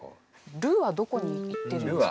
「る」はどこにいってるんですか？